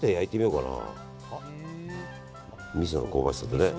みその香ばしさとね。